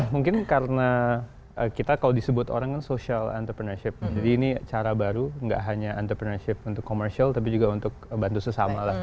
mungkin karena kita kalau disebut orang kan social entrepreneurship jadi ini cara baru nggak hanya entrepreneurship untuk commercial tapi juga untuk bantu sesama lah